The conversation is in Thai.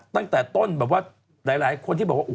ตั้งแต่ต้นแบบว่าหลายคนที่บอกว่า